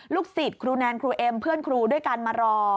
สิทธิ์ครูแนนครูเอ็มเพื่อนครูด้วยกันมารอ